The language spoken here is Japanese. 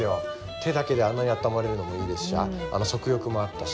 手だけであんなにあったまれるのもいいですし足浴もあったし。